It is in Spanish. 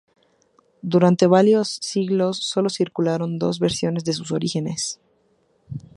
Durante varios siglos sólo circularon dos versiones de sus orígenes.